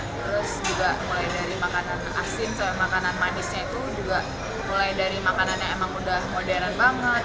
terus juga mulai dari makanan asin sampai makanan manisnya itu juga mulai dari makanan yang emang udah modern banget